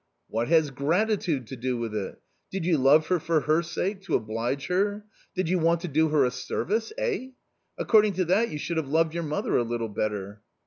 "What has gratitude to do with it? did you love her for her sake, to oblige her ? did you want to do her a service, eh ? According to that you should have loved your mother a little better."